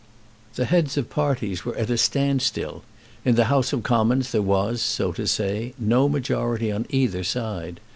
The heads of parties were at a standstill. In the House of Commons there was, so to say, no majority on either side.